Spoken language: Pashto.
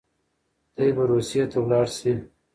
دی به روسيې ته لاړ شي.